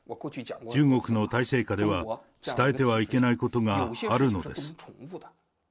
中国の体制下では、伝えてはいけないことがあるのです。